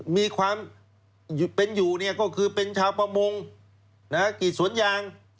มีความเป็นอยู่ก็คือเป็นชาวประมงกี่สวนยาง